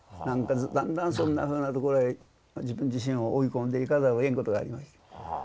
なんかだんだんそんなふうなところへ自分自身を追い込んでいかざるをえんことがありました。